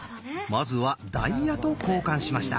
まずはダイヤと交換しました。